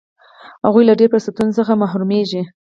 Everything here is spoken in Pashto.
هغه له ډېرو فرصتونو څخه محرومیږي.